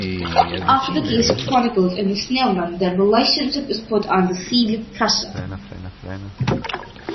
After the case chronicled in "The Snowman", their relationship is put under severe pressure.